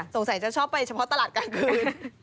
จะชอบไปเฉพาะตลาดกลางคืน